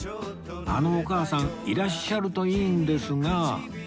あのお母さんいらっしゃるといいんですが